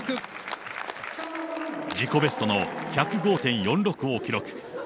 自己ベストの１０５．４６を記録。